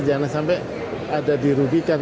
jangan sampai ada dirugikan